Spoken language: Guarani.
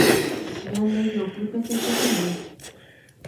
Ñandejopy pe tekotevẽ.